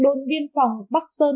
đồn viên phòng bắc sơn